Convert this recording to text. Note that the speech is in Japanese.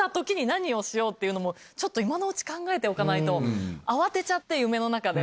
っていうのもちょっと今のうち考えておかないと慌てちゃって夢の中で。